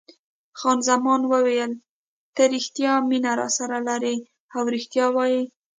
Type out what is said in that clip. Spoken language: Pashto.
خان زمان وویل: ته رښتیا مینه راسره لرې او رښتیا وایه.